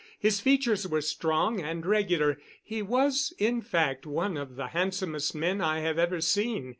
His features were strong and regular. He was, in fact, one of the handsomest men I have ever seen.